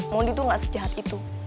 mondi itu gak sejahat itu